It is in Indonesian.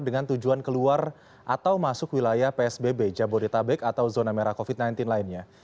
dengan tujuan keluar atau masuk wilayah psbb jabodetabek atau zona merah covid sembilan belas lainnya